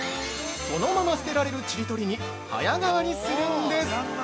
そのまま捨てられるちり取りに早変わりするんです！